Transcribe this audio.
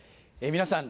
皆さん